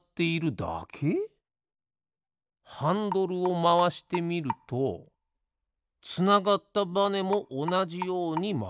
ハンドルをまわしてみるとつながったバネもおなじようにまわる。